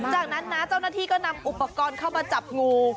จากนั้นนะเจ้าหน้าที่ก็นำอุปกรณ์เข้ามาจับงู